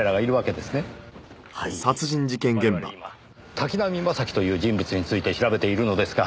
滝浪正輝という人物について調べているのですが。